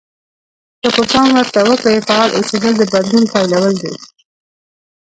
که پام ورته وکړئ فعال اوسېدل د بدلون پيلول دي.